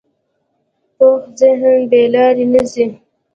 پوخ ذهن بې لارې نه ځي